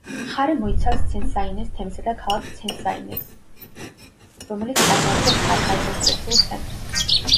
მხარე მოიცავს ცესვაინეს თემსა და ქალაქ ცესვაინეს, რომელიც წარმოადგენს მხარის ადმინისტრაციულ ცენტრს.